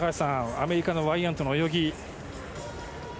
アメリカのワイヤントの泳ぎ。